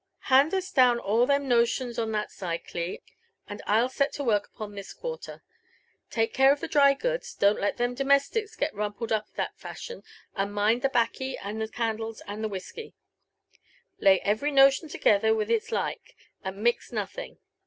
'' Hand us down all them notions on that side, Oli— and Til set to work upon this quarter. Take care of the dry goods ^don't let them ^omestics get rumpled up that fashion, and mind the baccy and the JONATHAN JBPFBRSON WHriLAW. Vi caodles and the whisky. Lay every notion together with iti lik^, and mix nothing.